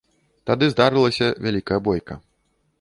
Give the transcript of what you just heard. Тады здарылася вялікая бойка.